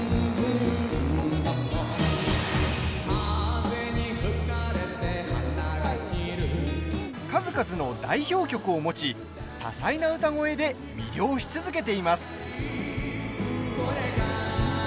「風に吹かれて花が散る」数々の代表曲を持ち多彩な歌声で魅了し続けています。